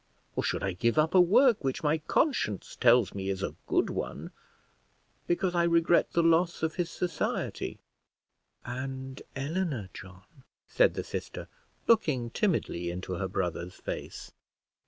or should I give up a work which my conscience tells me is a good one, because I regret the loss of his society?" "And Eleanor, John?" said the sister, looking timidly into her brother's face.